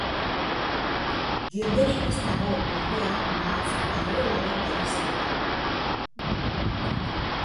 Jenderik ez dago, ordea, mahats-parrelaren gerizpetan.